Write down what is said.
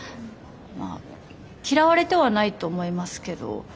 まあ嫌われてはないと思いますけど。